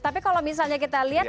tapi kalau misalnya kita lihat